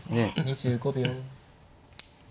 ２５秒。